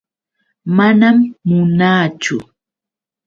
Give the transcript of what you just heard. Manam munaachu.